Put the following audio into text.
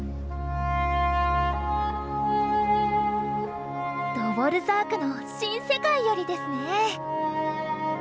ドヴォルザークの「新世界より」ですね！